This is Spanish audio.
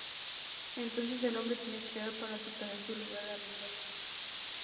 Entonces, el hombre tiene que llorar para superar en lugar de a la inversa.